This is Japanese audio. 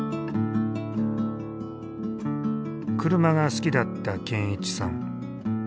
車が好きだった健一さん。